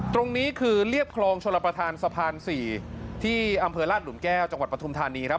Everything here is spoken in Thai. ตรงนี้คือเรียบคลองชลประธานสะพาน๔ที่อำเภอราชหลุมแก้วจังหวัดปฐุมธานีครับ